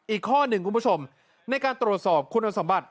อีกข้อหนึ่งคุณผู้ชมในการตรวจสอบคุณสมบัติ